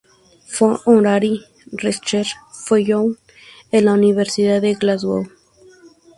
Fue "Honorary Research Fellow" en la Universidad de Glasgow.